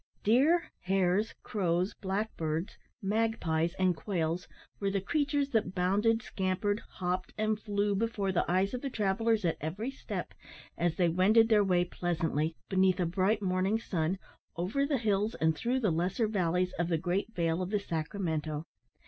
Deer, hares, crows, blackbirds, magpies, and quails, were the creatures that bounded, scampered, hopped, and flew before the eyes of the travellers at every step, as they wended their way pleasantly, beneath a bright morning sun, over the hills and through the lesser valleys of the great vale of the Sacramento.